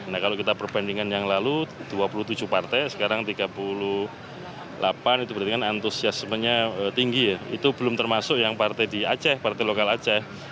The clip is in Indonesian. nah kalau kita perbandingkan yang lalu dua puluh tujuh partai sekarang tiga puluh delapan itu berarti kan antusiasmenya tinggi ya itu belum termasuk yang partai di aceh partai lokal aceh